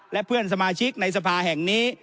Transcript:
และเพื่อนสมาชิกในสภาแห่งนี้